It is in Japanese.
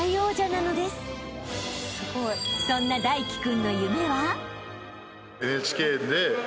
［そんな泰輝君の夢は？］